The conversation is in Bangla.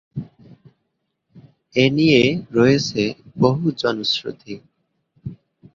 এ নিয়ে রয়েছে বহু জনশ্রুতি।